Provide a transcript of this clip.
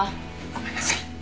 ごめんなさい。